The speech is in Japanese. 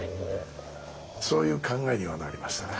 そういう考えにはなりましたね。